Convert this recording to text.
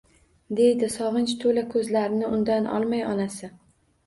Deydi sog‘inch to‘la ko‘zlarini undan olmay onasi